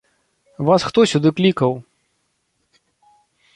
Вас хто сюды клікаў?